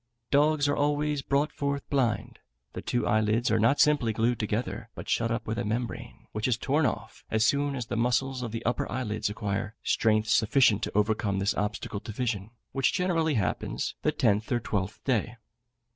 Dogs are always brought forth blind; the two eyelids are not simply glued together, but shut up with a membrane, which is torn off, as soon as the muscles of the upper eyelids acquire strength sufficient to overcome this obstacle to vision, which generally happens the tenth or twelfth day.